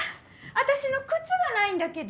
私の靴がないんだけど。